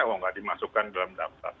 kalau tidak dimasukkan dalam daftar